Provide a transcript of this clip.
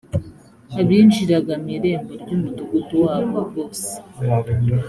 abinjiraga mu irembo ry umudugudu wabo bose